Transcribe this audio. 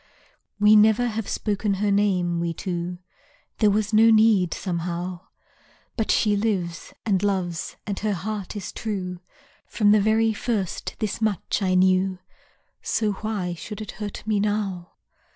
We never have spoken her name, we two; There was no need somehow, But she lives, and loves, and her heart is true; From the very first this much I knew, So why should it hurt me now.